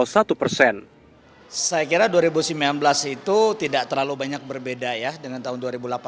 saya kira dua ribu sembilan belas itu tidak terlalu banyak berbeda ya dengan tahun dua ribu delapan belas